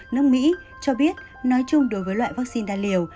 nước mỹ cho biết nói chung đối với loại vaccine đa liều